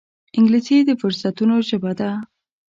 انګلیسي د فرصتونو ژبه ده